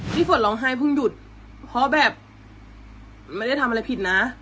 ฝนร้องไห้เพิ่งหยุดเพราะแบบไม่ได้ทำอะไรผิดนะ